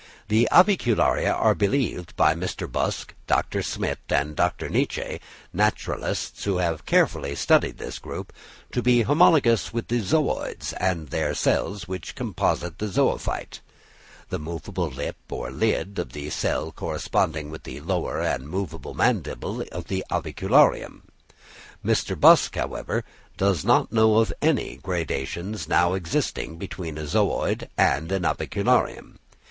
The avicularia are believed by Mr. Busk, Dr. Smitt and Dr. Nitsche—naturalists who have carefully studied this group—to be homologous with the zooids and their cells which compose the zoophyte, the movable lip or lid of the cell corresponding with the lower and movable mandible of the avicularium. Mr. Busk, however, does not know of any gradations now existing between a zooid and an avicularium.